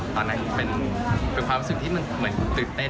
ตอนนั้นเป็นความรู้สึกที่มันเหมือนตื่นเต้น